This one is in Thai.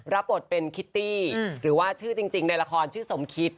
รับบทเป็นคิตตี้หรือว่าชื่อจริงในละครชื่อสมคิต